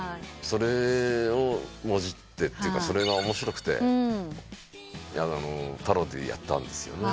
それをもじってというかそれが面白くてパロディーやったんですよね。